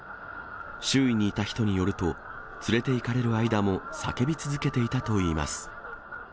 周囲にいた人によると、連れていかれる間も叫び続けていたといいます。